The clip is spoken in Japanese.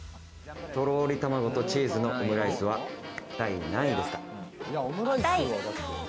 とろり卵とチーズのオムライスは第何位ですか？